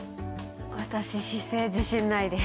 私姿勢自信ないです。